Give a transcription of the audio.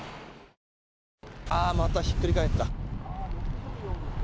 またひっくり返った。